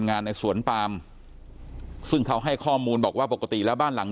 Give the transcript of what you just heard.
งานในสวนปามซึ่งเขาให้ข้อมูลบอกว่าปกติแล้วบ้านหลัง